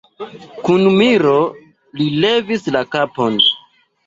Kun miro li levis la kapon.